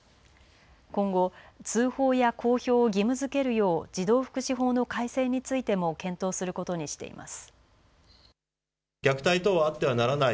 今後通報や公表を義務づけるよう児童福祉法の改正についても検討することにしています。